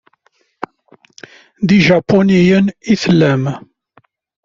D ijapuniyen i tellam?